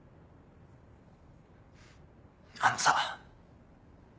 あのさ。